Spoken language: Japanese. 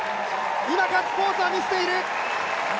今、ガッツポーズは見せている。